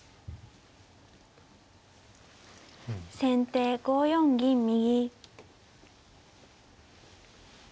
先手５四銀右。